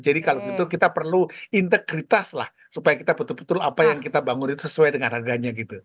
jadi kalau begitu kita perlu integritas lah supaya kita betul betul apa yang kita bangun itu sesuai dengan harganya gitu